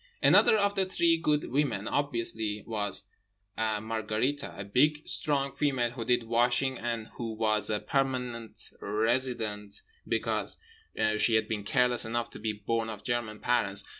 Another of the three Good Women obviously was Margherite—a big, strong female who did washing, and who was a permanent resident because she had been careless enough to be born of German parents.